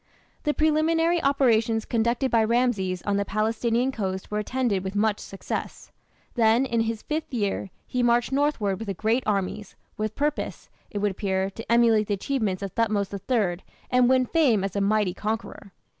The preliminary operations conducted by Rameses on the Palestinian coast were attended with much success. Then, in his fifth year, he marched northward with a great army, with purpose, it would appear, to emulate the achievements of Thothmes III and win fame as a mighty conqueror.